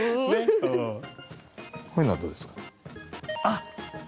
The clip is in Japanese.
あっ！